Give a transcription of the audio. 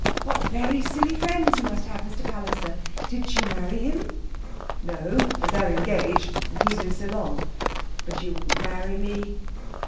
"What very silly friends you must have, Mr. Palliser! Did she marry him?" "No! but they're engaged, and he's in Ceylon. But you wouldn't marry me...."